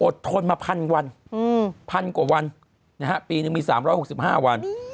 อดทนมาพันวันพันกว่าวันปีนึงมี๓๖๕วัน